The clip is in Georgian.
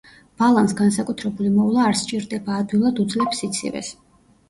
ბალანს განსაკუთრებული მოვლა არ სჭირდება, ადვილად უძლებს სიცივეს.